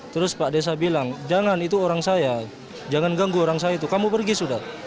terus pak desa bilang jangan itu orang saya jangan ganggu orang saya itu kamu pergi sudah